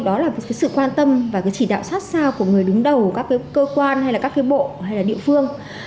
đó là sự quan tâm và chỉ đạo sát sao của người đứng đầu các cơ quan hay là các bộ hay là địa phương